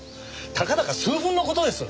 たかだか数分の事です。